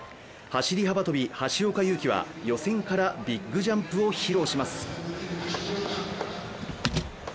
走幅跳、橋岡優輝は予選からビッグジャンプを披露します。